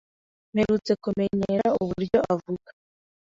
Mperutse kumenyera uburyo avuga.